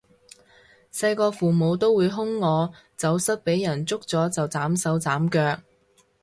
細個父母都會兇我走失畀人捉咗就斬手斬腳